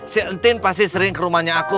si entin pasti sering ke rumahnya aku